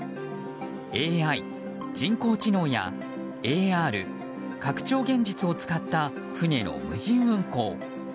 ＡＩ・人工知能やＡＲ・拡張現実を使った船の無人運航。